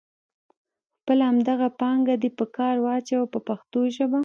خپله همدغه پانګه دې په کار واچوه په پښتو ژبه.